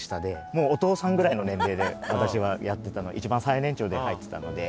もうお父さんぐらいの年齢で私はやってた一番最年長で入ってたので。